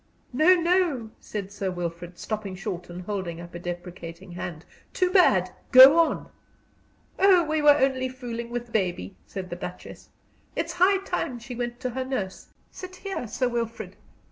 "No, no!" said Sir Wilfrid, stopping short and holding up a deprecating hand. "Too bad! Go on." "Oh, we were only fooling with baby!" said the Duchess. "It is high time she went to her nurse. Sit here, Sir Wilfrid.